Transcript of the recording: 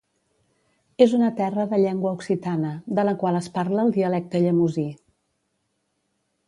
És una terra de llengua occitana, de la qual es parla el dialecte llemosí.